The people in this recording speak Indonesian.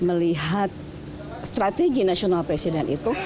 dan melihat strategi nasional presiden itu